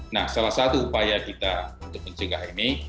nah salah satu upaya kita untuk mencegah ini